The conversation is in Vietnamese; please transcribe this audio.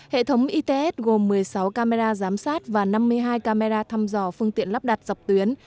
hệ thống its gồm một mươi sáu camera giám sát và năm mươi hai camera thăm dò phương tiện lắp đặt dọc tuyến